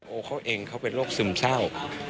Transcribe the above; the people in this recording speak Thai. เขาเองเขาเป็นโรคซึมเศร้า